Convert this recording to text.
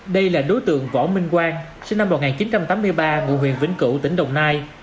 đây là đối tượng võ minh quang sinh năm một nghìn chín trăm tám mươi ba ngụ huyện vĩnh cửu tỉnh đồng nai